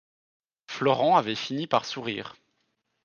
Florent avait fini par sourire.